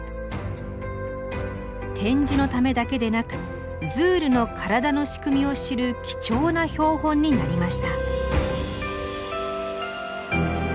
展示のためだけでなくズールの体の仕組みを知る貴重な標本になりました。